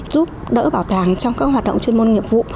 giúp đỡ bảo tàng trong các hoạt động chuyên môn nghiệp vụ